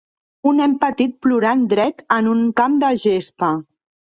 Un nen petit plorant dret en un camp de gespa.